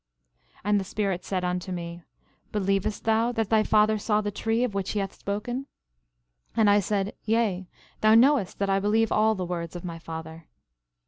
11:4 And the Spirit said unto me: Believest thou that thy father saw the tree of which he hath spoken? 11:5 And I said: Yea, thou knowest that I believe all the words of my father.